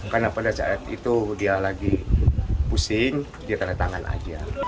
karena pada saat itu dia lagi pusing dia tanda tangan aja